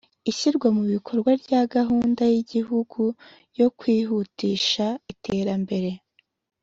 ishyirwa mu bikorwa rya gahunda y igihugu yo kwihutisha iterambere